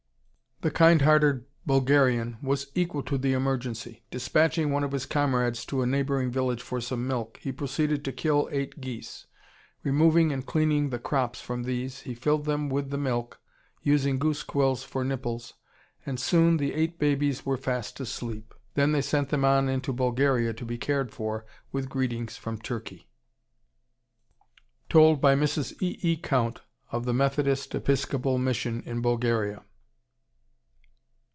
The kind hearted Bulgarian was equal to the emergency. Dispatching one of his comrades to a neighboring village for some milk, he proceeded to kill eight geese. Removing and cleaning the crops from these, he filled them with the milk, using goose quills for nipples, and soon the eight babies were fast asleep. Then they sent them on into Bulgaria to be cared for, with greetings from Turkey. (Told by Mrs. E. E. Count of the Methodist Episcopal Mission in Bulgaria.)